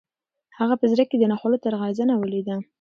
هغه په زړه کې د ناخوالو درغځنه ولیده.